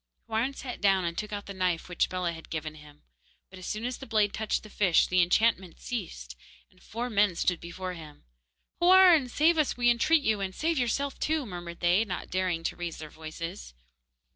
Houarn sat down and took out the knife which Bellah had given him, but as soon as the blade touched the fish the enchantment ceased, and four men stood before him. 'Houarn, save us, we entreat you, and save yourself too!' murmured they, not daring to raise their voices.